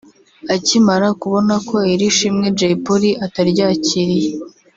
Akimara kubona ko iri shimwe Jay Polly ataryakiriye